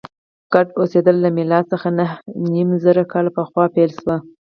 ګډ اوسېدل له میلاد څخه نهه نیم زره کاله پخوا پیل شوي.